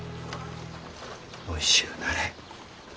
おいしゅうなれ。